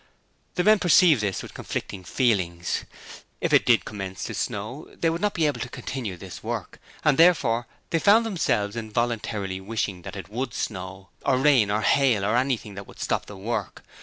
The men perceived this with conflicting feelings. If it did commence to snow, they would not be able to continue this work, and therefore they found themselves involuntarily wishing that it would snow, or rain, or hail, or anything that would stop the work.